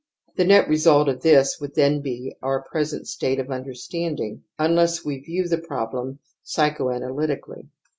The net result of this would then be our present state of understanding un less we view the problem psychoanalytically.